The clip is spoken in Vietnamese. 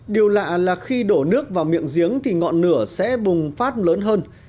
điều lạ là khi đổ nước vào miệng giếng thì ngọn lửa sẽ bùng phát lớn hơn